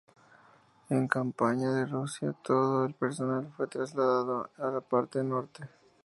En la campaña de Rusia, todo el personal fue trasladado a la parte norte.